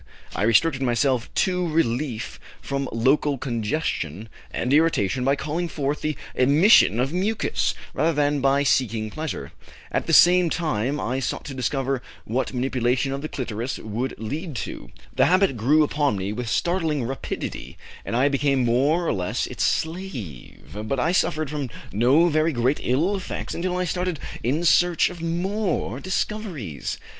I restricted myself to relief from local congestion and irritation by calling forth the emission of mucus, rather than by seeking pleasure. At the same time, I sought to discover what manipulation of the clitoris would lead to. The habit grew upon me with startling rapidity, and I became more or less its slave, but I suffered from no very great ill effects until I started in search of more discoveries.